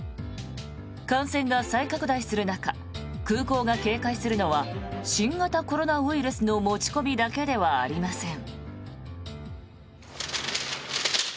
感染が再拡大する中空港が警戒するのは新型コロナウイルスの持ち込みだけではありません。